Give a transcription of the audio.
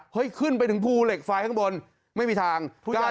ขึ้นไปถึงภูเหล็กไฟข้างบนไม่มีทาง